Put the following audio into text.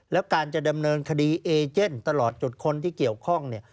แล้วการจะดำเนินคดีเอเจนตลอดจุดคนที่เกี่ยวข้องเนี่ย